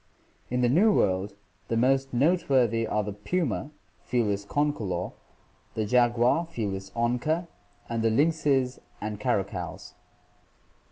In the New World the most noteworthy are the puma (F. concolor), the jaguar (F. onca), and the lynxes and caracals.